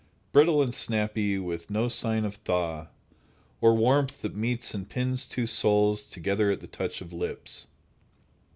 Brittle and snappy, with no sign of thaw, Or warmth that meets and pins two souls Together at the touch of lips.